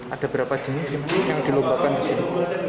ada berapa jenis yang dilombakan di sini